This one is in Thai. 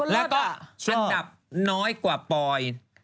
แล้วก็ระดับน้อยกว่าปอย